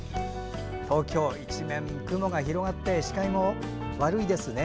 東京一面、雲が広がって視界も悪いですね。